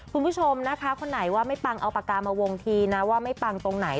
คุณผู้ชมนะคะคนไหนว่าไม่ปังเอาปากกามาวงทีนะว่าไม่ปังตรงไหน